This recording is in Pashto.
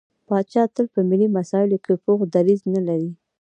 پاچا تل په ملي مسايلو کې پوخ دريځ نه لري.